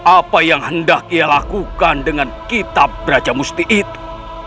apa yang hendak ia lakukan dengan kitab brajamusti itu